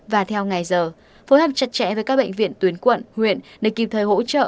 và theo ngày giờ phối hợp chặt chẽ với các bệnh viện tuyến quận huyện để kịp thời hỗ trợ